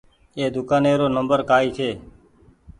ايِ دوڪآني رو نمبر ڪآئي ڇي۔